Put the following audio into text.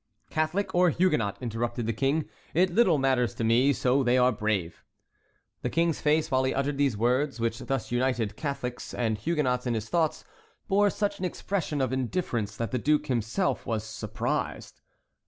"Catholic or Huguenot," interrupted the King, "it little matters to me, so they are brave." The King's face while he uttered these words, which thus united Catholics and Huguenots in his thoughts, bore such an expression of indifference that the duke himself was surprised.